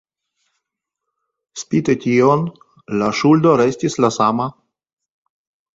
Spite tion, la ŝuldo restis la sama.